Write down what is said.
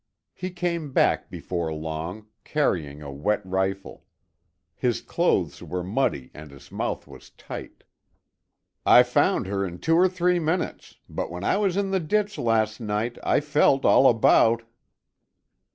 He came back before long, carrying a wet rifle. His clothes were muddy and his mouth was tight. "I found her in two or three minutes, but when I was in the ditch last night I felt all about."